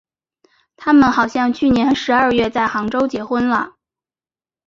他们好像去年十二月在杭州结婚了。